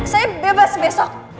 saya bebas besok